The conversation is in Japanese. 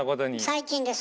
最近ですか？